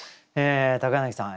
柳さん